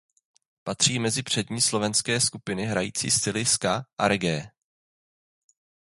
Patří mezi přední slovenské skupiny hrající styly ska a reggae.